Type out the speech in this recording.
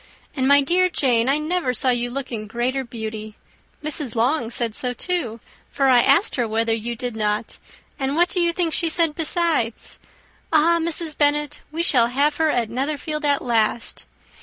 And, my dear Jane, I never saw you look in greater beauty. Mrs. Long said so too, for I asked her whether you did not. And what do you think she said besides? 'Ah! Mrs. Bennet, we shall have her at Netherfield at last!